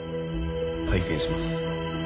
拝見します。